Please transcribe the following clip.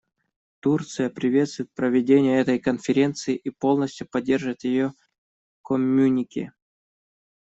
Турция приветствует проведение этой конференции и полностью поддерживает ее коммюнике.